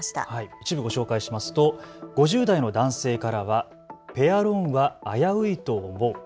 一部ご紹介しますと５０代の男性からはペアローンは危ういと思う。